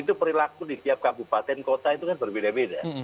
itu perilaku di tiap kabupaten kota itu kan berbeda beda